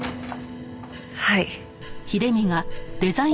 はい。